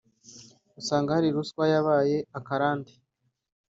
usanga hari ruswa yabaye akarande